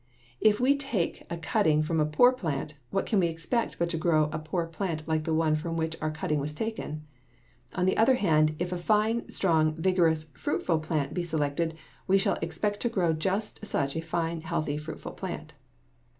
If we take a cutting from a poor plant, what can we expect but to grow a poor plant like the one from which our cutting was taken? On the other hand, if a fine, strong, vigorous, fruitful plant be selected, we shall expect to grow just such a fine, healthy, fruitful plant.